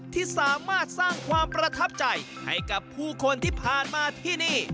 ที่สามารถสร้างความประทับใจให้กับผู้คนที่ผ่านมาที่นี่